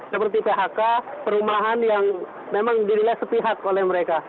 seperti phk perumahan yang memang dirilis setihat oleh mereka